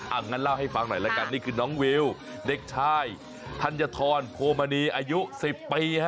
งั้นเล่าให้ฟังหน่อยละกันนี่คือน้องวิวเด็กชายธัญฑรโพมณีอายุ๑๐ปีฮะ